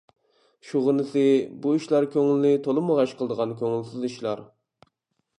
شۇغىنىسى بۇ ئىشلار كۆڭۈلنى تولىمۇ غەش قىلىدىغان كۆڭۈلسىز ئىشلار.